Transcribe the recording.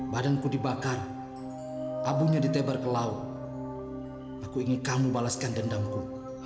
badanku dibakar abunya ditebar ke laut aku ingin kamu balaskan dendamku